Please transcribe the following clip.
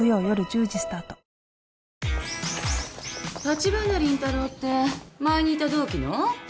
立花凛太郎って前にいた同期の？